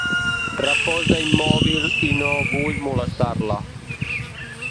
Reposa immòbil i no vull molestar-la.